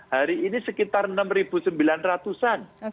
hari ini sekitar enam sembilan ratus an